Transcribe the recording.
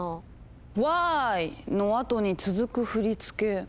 「ワーイ！」のあとに続く振り付け。